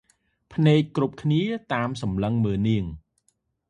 ភ្នែកគ្រប់គ្នាតាមសម្លឹងមើលនាង។